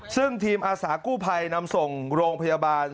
ซึ่งทีมอาสากู้ภัยนำส่งโรงพยาบาล